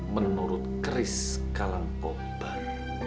menurut keris kalangkobar